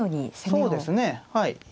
そうですねはい。